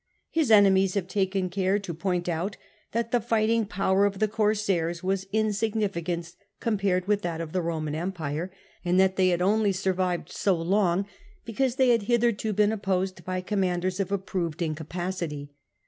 His enemies have taken care to point out that the fighting power of the corsairs was insignificant compared with that of the Eomau empire, and that they POMPEY SUBDUES THE PIRATES 253 had only survived so long because they had hitherto been opposed by commanders of approved incapacity.